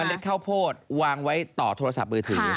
มันเลยทิ้งเป็นข้าวโพสต์วางไว้ต่อโทรศัพท์มือถือ